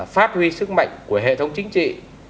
phát huy sức mạnh của hệ thống chính trị